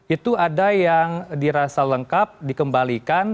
itu ada yang dirasa lengkap dikembalikan